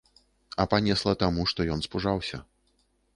А панесла таму, што ён спужаўся.